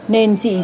nên chị trở dạ sớm